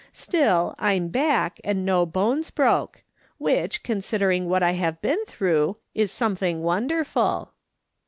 Still, I'm back, and no bones broke ; which, considering what I've been through, is something wonderful."